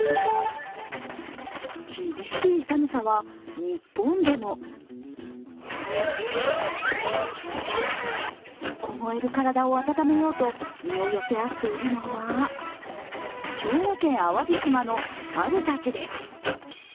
厳しい寒さは、日本でも凍える体を温めようと、身を寄せ合っているのは兵庫県淡路島の猿たちです。